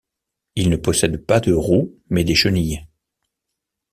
Il ne possède pas de roues mais des chenilles.